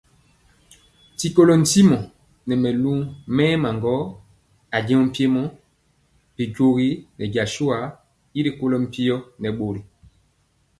Ti kolɔ ntimɔ nɛ mɛlu mɛɛma gɔ ajeŋg mpiemɔ bijogi nɛ jasua y rikolɔ mpio nɛ bori.